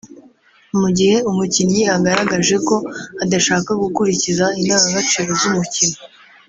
mu gihe umukinnyi agaragaje ko adashaka gukurikiza indangagaciro z’umukino